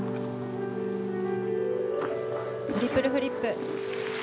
トリプルフリップ。